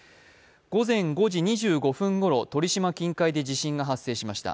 午前５時２５分ごろ鳥島近海で地震が発生しました。